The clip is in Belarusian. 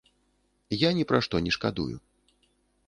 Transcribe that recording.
Я ні пра што не шкадую.